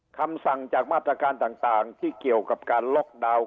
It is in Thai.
คำสั่งจากมาตรการต่างที่เกี่ยวกับการล็อกดาวน์